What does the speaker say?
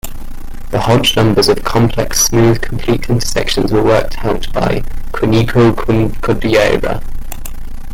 The Hodge numbers of complex smooth complete intersections were worked out by Kunihiko Kodaira.